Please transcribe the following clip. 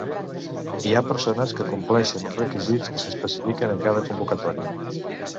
Hi ha persones que compleixen els requisits que s'especifiquen en cada convocatòria.